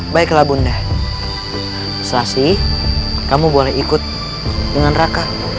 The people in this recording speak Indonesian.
baiklah bunda selasi kamu boleh ikut dengan raka